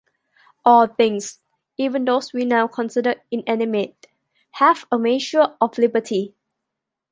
All things, even those we now consider inanimate, have a measure of liberty.